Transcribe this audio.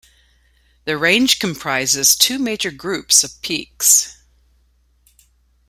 The range comprises two major groups of peaks.